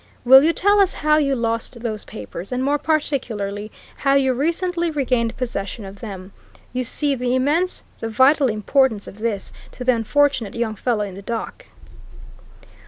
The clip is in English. Will you tell us how you lost those papers, and more particularly, how you recently regained possession of them? You see the immense, the vital importance of this to the unfortunate young fellow in the dock?"